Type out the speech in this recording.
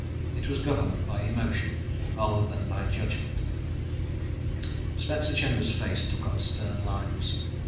It was government by emotion rather than by judgment. Spencer Chambers' face took on stern lines.